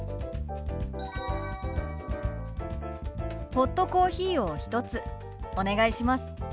ホットコーヒーを１つお願いします。